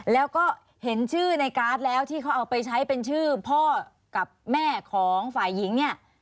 แล้วก็เห็นชื่อในการ์ดแล้วที่เขาเอาไปใช้เป็นชื่อพ่อกับแม่ของฝ่ายหญิงเนี่ย